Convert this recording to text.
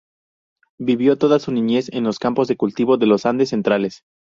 Vivió toda su niñez en los campos de cultivo de los andes centrales.